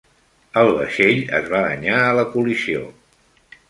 El vaixell es va danyar a la col·lisió.